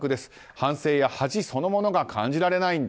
反省や恥そのものが感じられないんだ